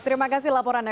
terima kasih laporannya